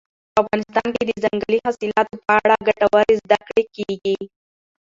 په افغانستان کې د ځنګلي حاصلاتو په اړه ګټورې زده کړې کېږي.